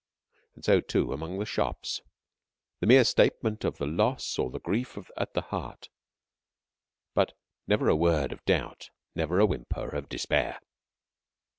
And so, too, among the shops the mere statement of the loss or the grief at the heart, but never a word of doubt, never a whimper of despair.